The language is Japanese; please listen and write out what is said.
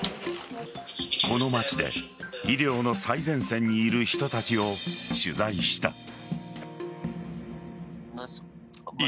この街で医療の最前線にいる人たちを取材した。